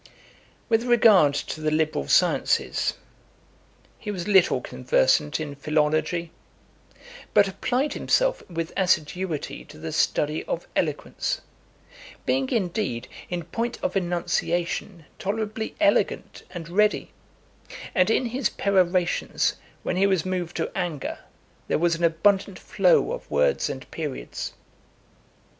LIII. With regard to the liberal sciences, he was little conversant in philology, but applied himself with assiduity to the study of eloquence, being indeed in point of enunciation tolerably elegant and ready; and in his perorations, when he was moved to anger, there was an abundant flow of words and periods.